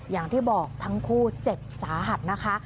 อย่างที่บอกทั้งคู่เจ็บสาหัสนะคะ